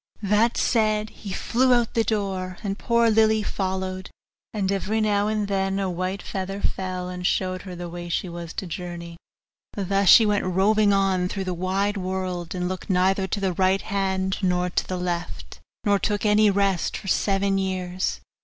This said, he flew out at the door, and poor Lily followed; and every now and then a white feather fell, and showed her the way she was to journey. Thus she went roving on through the wide world, and looked neither to the right hand nor to the left, nor took any rest, for seven years.